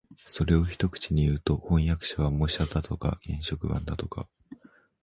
それを一口にいうと、飜訳者は模写だとか原色版だとか